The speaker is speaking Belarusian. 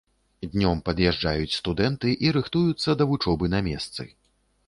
Днём пад'язджаюць студэнты і рыхтуюцца да вучобы на месцы.